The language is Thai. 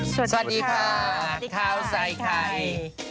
สวัสดีค่ะข้าวใส่ไข่